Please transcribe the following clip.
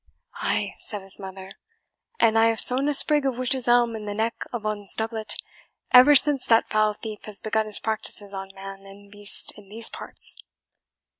"Ay," said his mother, "and I have sewn a sprig of witch's elm in the neck of un's doublet, ever since that foul thief has begun his practices on man and beast in these parts."